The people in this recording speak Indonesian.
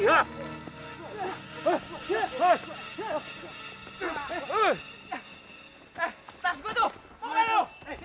eh tas gue tuh mau ke mana lo